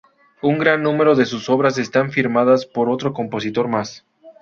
Un gran número de sus obras están firmadas por otro compositor más.